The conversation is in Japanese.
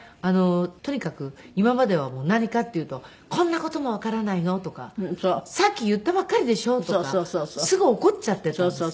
とにかく今までは何かっていうと「こんな事もわからないの？」とか「さっき言ったばっかりでしょ」とかすぐ怒っちゃっていたんですね。